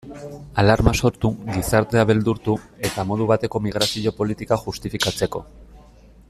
Alarma sortu, gizartea beldurtu, eta modu bateko migrazio politikak justifikatzeko.